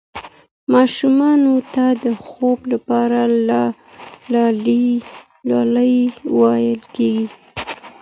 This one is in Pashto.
ماشومانو ته د خوب لپاره لالايي ویل کېږي.